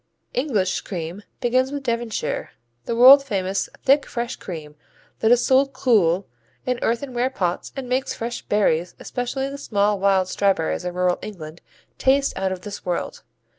English cream begins with Devonshire, the world famous, thick fresh cream that is sold cool in earthenware pots and makes fresh berries especially the small wild strawberries of rural England taste out of this world.